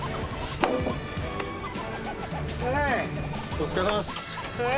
お疲れさまです。